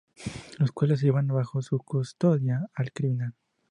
Los cuales se llevan bajo su custodia al criminal.